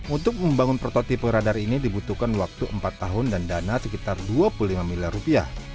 untuk membangun prototipe radar ini dibutuhkan waktu empat tahun dan dana sekitar dua puluh lima miliar rupiah